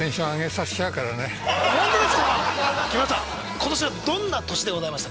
今年はどんな年でございました？